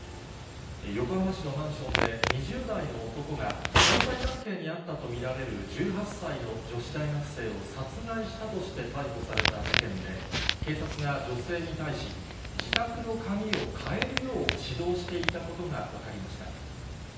横浜市のマンションで、２０代の男が交際関係にあったと見られる１８歳の女子大学生を殺害したとして逮捕された事件で、警察が女性に対し、自宅の鍵を変えるよう指導していたことが分かりました。